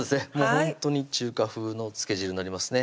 ほんとに中華風の漬け汁になりますね